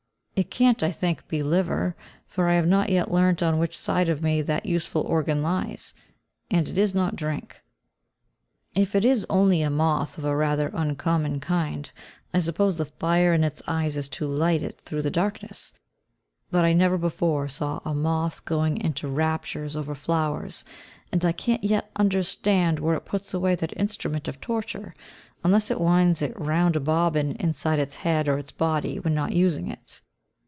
It can't, I think, be liver, for I have not yet learnt on which side of me that useful organ lies, and it is not drink. If it is only a moth of a rather uncommon kind, I suppose the fire in its eyes is to light it through the darkness; but I never before saw a moth going into raptures over flowers, and I can't yet understand where it puts away that instrument of torture, unless it winds it round a bobbin, inside its head or its body, when not using it.